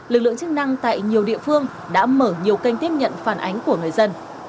lực lượng chức năng tại nhiều địa phương đã mở nhiều kênh tiếp nhận phản ánh của người dân